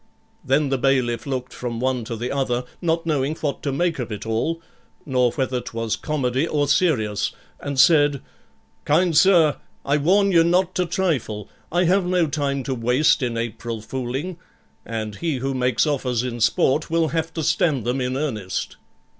Then the bailiff looked from one to the other, not knowing what to make of it all, nor whether 'twas comedy or serious, and said 'Kind sir, I warn ye not to trifle; I have no time to waste in April fooling, and he who makes offers in sport will have to stand to them in earnest.'